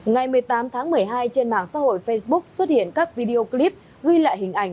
ngày một mươi tám tháng một mươi hai trên mạng xã hội facebook xuất hiện các video clip ghi lại hình ảnh